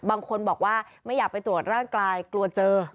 บางคนบอกว่าไม่อยากไปตรวจร่างกายกลัวเจอ